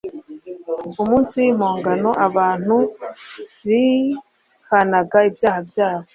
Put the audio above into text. Umunsi w'impongano abantu bihanaga ibyaha byabo,